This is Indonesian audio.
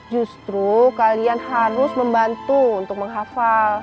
justru kalian harus membantu untuk menghafal